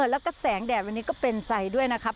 แล้วก็แสงแดดวันนี้ก็เป็นใจด้วยนะครับ